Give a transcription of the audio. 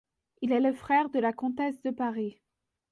Il est le frère de la comtesse de Paris.